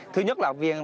thứ nhất là học viên